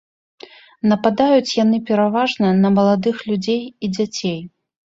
Нападаюць яны пераважна на маладых людзей і дзяцей.